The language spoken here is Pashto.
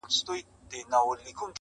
په خپلو ګټو سره بدلون راوستلای سي